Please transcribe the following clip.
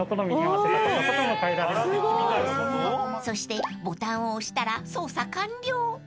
［そしてボタンを押したら操作完了］